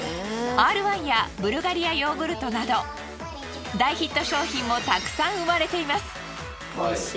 Ｒ−１やブルガリアヨーグルトなど大ヒット商品もたくさん生まれています。